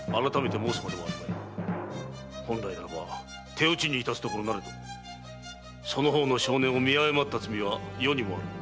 本来ならば手討ちにいたすところなれどその方の性根を見誤った罪は余にもある。